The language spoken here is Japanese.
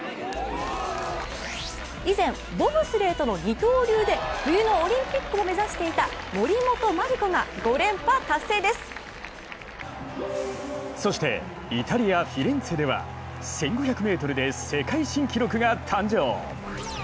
以前、ボブスレーとの二刀流で冬のオリンピックも目指していた森本麻里子がそしてイタリア・フィレンツェでは１５００ｍで世界新記録が誕生。